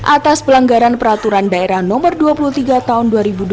atas pelanggaran peraturan daerah no dua puluh tiga tahun dua ribu dua puluh